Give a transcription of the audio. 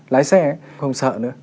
lái xe không sợ nữa